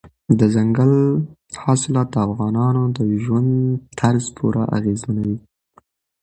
دځنګل حاصلات د افغانانو د ژوند طرز پوره اغېزمنوي.